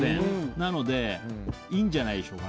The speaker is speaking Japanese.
なのでいいんじゃないでしょうか。